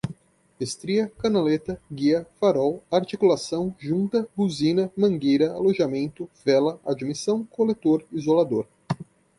estria, canaleta, guia, farol, articulação, junta, buzina, mangueira, alojamento, vela, admissão, coletor, isolador